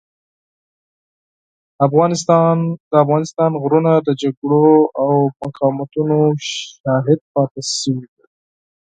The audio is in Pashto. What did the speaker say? د افغانستان غرونه د جګړو او مقاومتونو شاهد پاتې شوي دي.